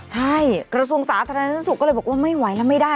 ใช่กระทรวงสาธารณสุขก็เลยบอกว่าไม่ไหวแล้วไม่ได้